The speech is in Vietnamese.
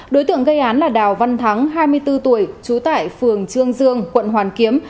đối tượng gây án là đào văn thắng hai mươi bốn tuổi trú tại phường trương dương quận hoàn kiếm